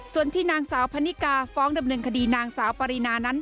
ส่วนที่นางสาวพันนิกาฟ้องดำเนินคดีนางสาวปรินานั้น